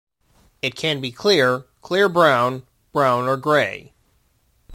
It can be clear, clear brown, brown or gray.